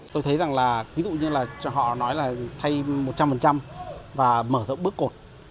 tôi thấy rằng là ví dụ như là họ nói là thay một trăm linh và mở rộng bức cột